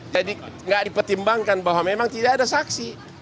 jadi tidak dipertimbangkan bahwa memang tidak ada saksi